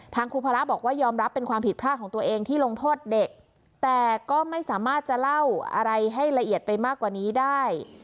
ครูภาระบอกว่ายอมรับเป็นความผิดพลาดของตัวเองที่ลงโทษเด็กแต่ก็ไม่สามารถจะเล่าอะไรให้ละเอียดไปมากกว่านี้ได้